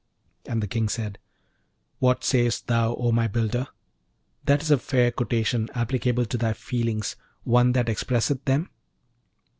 And the King said, 'What sayest thou, O my builder? that is a fair quotation, applicable to thy feelings, one that expresseth them?'